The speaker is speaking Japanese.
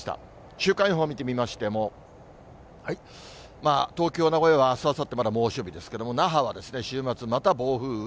週間予報見てみましても、東京、名古屋はあす、あさって、まだ猛暑日ですけれども、那覇は週末、また暴風雨。